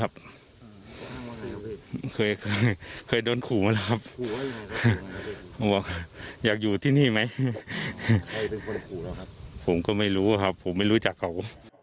บอกอยากอยู่ที่นี่ไหมผมก็ไม่รู้ครับผมไม่รู้จักเขา